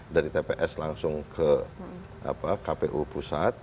dari tps langsung ke kpu pusat